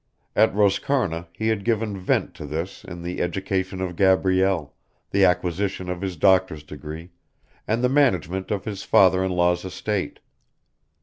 At Roscarna he had given vent to this in the education of Gabrielle, the acquisition of his doctor's degree, and the management of his father in law's estate.